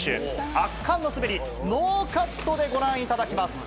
圧巻の滑り、ノーカットでご覧いただきます。